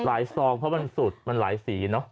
หลายซองเพราะว่ามันสูตรมันหลายสีเนอะ